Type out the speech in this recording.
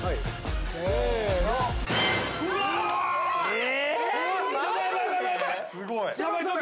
え？